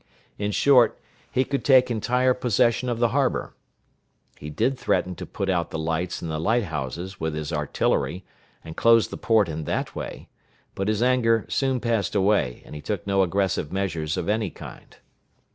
In short, he could take entire possession of the harbor. He did threaten to put out the lights in the light houses with his artillery, and close the port in that way; but his anger soon passed away, and he took no aggressive measures of any kind.